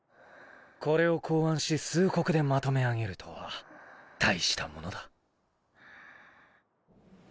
これを考案し数刻でまとめ上げるとはたいしたものだ。